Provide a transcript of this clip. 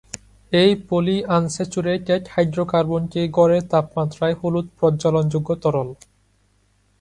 এই পলিআনস্যাচুরেটেড হাইড্রোকার্বনটি ঘরের তাপমাত্রায় হলুদ প্রজ্বলনযোগ্য তরল।